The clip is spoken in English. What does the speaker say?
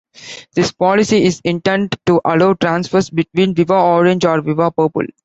This policy is intended to allow transfers between Viva Orange and Viva Purple.